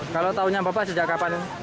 kalau taunya bapak sejak kapan